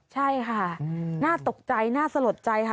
ใช่ค่ะน่าตกใจน่าสลดใจค่ะ